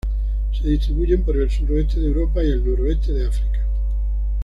Se distribuyen por el suroeste de Europa y el noroeste de África.